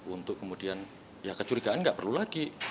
untuk kemudian ya kecurigaan nggak perlu lagi